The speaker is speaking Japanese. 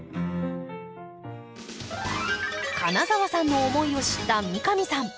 金澤さんの思いを知った三上さん。